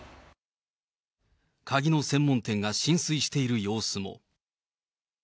鍵の専門店が浸水している様子も。